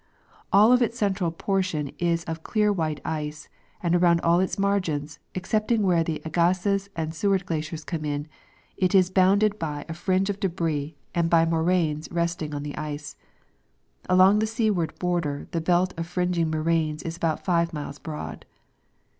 All of its central portion is of clear white ice, and around all its margins, excepting where the Agassiz and Seward glaciers come in, it is bounded by a fringe of debris and by moraines resting on the ice. Along the seaward border the belt of fringing moraines is about five miles broad.